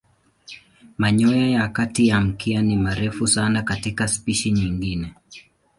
Manyoya ya kati ya mkia ni marefu sana katika spishi nyingine.